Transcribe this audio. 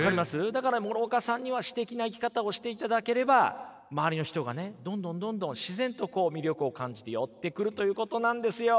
だから諸岡さんには詩的な生き方をしていただければ周りの人がねどんどんどんどん自然と魅力を感じて寄ってくるということなんですよ。